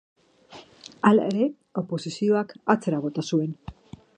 Hala ere, opozioak atzera bota zuen.